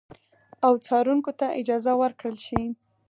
او څارونکو ته اجازه ورکړل شي